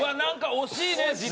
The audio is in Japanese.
惜しいね。